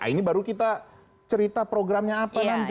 ini baru kita cerita programnya apa nanti